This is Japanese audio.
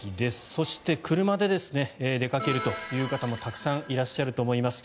そして車で出かけるという方もたくさんいらっしゃると思います。